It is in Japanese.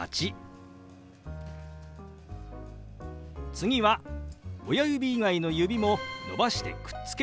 次は親指以外の指も伸ばしてくっつけます。